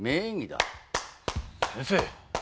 先生。